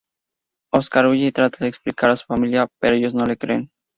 Oscar huye y trata de explicar a su familia, pero ellos no le creen.